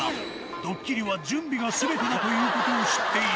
ドッキリは準備がすべてだということを知っている。